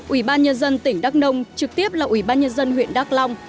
ủy ban nhân dân tỉnh đắk nông trực tiếp là ủy ban nhân dân huyện đắk long